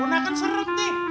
una kan serem sih